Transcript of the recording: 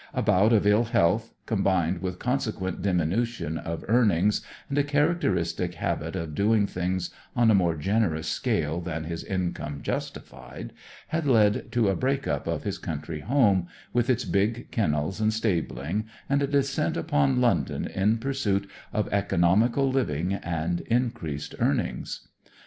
A bout of ill health, combined with consequent diminution of earnings, and a characteristic habit of doing things on a more generous scale than his income justified, had led to a break up of his country home, with its big kennels and stabling, and a descent upon London in pursuit of economical living and increased earnings.